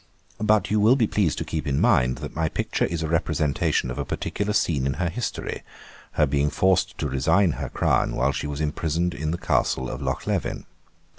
But you will be pleased to keep in mind, that my picture is a representation of a particular scene in her history; her being forced to resign her crown, while she was imprisoned in the castle of Lochlevin.